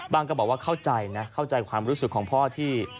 ก็บอกว่าเข้าใจนะเข้าใจความรู้สึกของพ่อที่